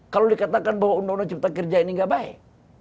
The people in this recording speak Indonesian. kalau dikatakan bahwa undang undang cipta kerja ini gak baik